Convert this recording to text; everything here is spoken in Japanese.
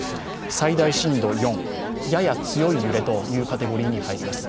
最大震度４、やや強い揺れというカテゴリーに入ります。